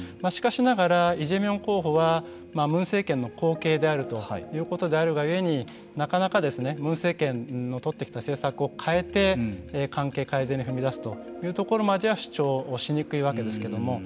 しかしながらイ・ジェミョン候補はムン政権の後継であるということであるがゆえになかなかムン政権の取ってきた政策を変えて関係改善に踏み出すというところまでは主張をしにくいわけですけれども。